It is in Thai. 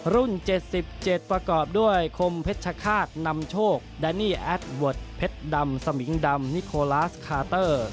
๗๗ประกอบด้วยคมเพชรฆาตนำโชคแดนี่แอดเวิร์ดเพชรดำสมิงดำนิโคลาสคาเตอร์